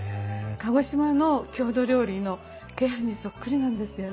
鹿児島の郷土料理の鶏飯にそっくりなんですよ。